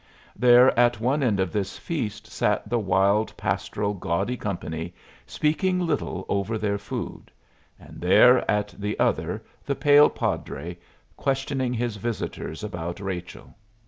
There at one end of this feast sat the wild, pastoral, gaudy company, speaking little over their food; and there at the other the pale padre, questioning his visitor about Rachel.